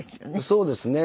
そうですね。